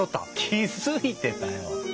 気付いてたよ！